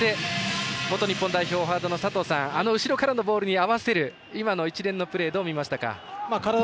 そして元日本代表フォワードの佐藤さん後ろからのボールに合わせる今の一連のプレーどう見ましたか？